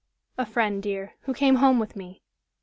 "A friend, dear, who came home with me.